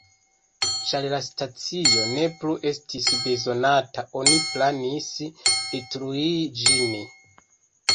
Ĉar la stacio ne plu estis bezonata, oni planis, detrui ĝin.